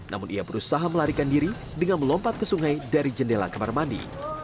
namun ia berusaha melarikan diri dengan melompat ke sungai dari jendela kamar mandi